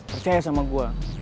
percaya sama gue